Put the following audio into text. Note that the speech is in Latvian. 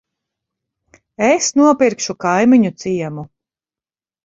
Es nopirkšu kaimiņu ciemu.